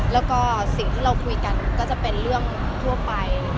แล้วก็สิ่งที่เราคุยกันก็จะเป็นเรื่องทั่วไป